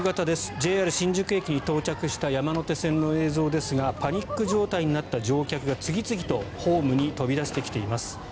ＪＲ新宿駅に到着した山手線の映像ですがパニック状態になった乗客が次々とホームに飛び出してきています。